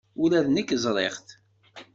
Ula d nekk ẓriɣ-t.